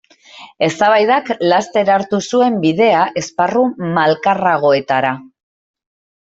Eztabaidak laster hartu zuen bidea esparru malkarragoetara.